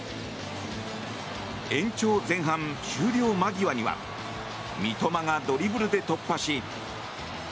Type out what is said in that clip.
延長前半終了間際には三笘がドリブルで突破し。